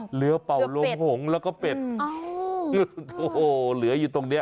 เหลือเป่าลงหงแล้วก็เป็ดเหลืออยู่ตรงนี้